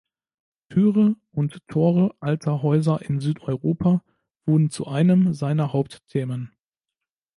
Türen und Tore alter Häuser in Südeuropa wurden zu einem seiner Hauptthemen.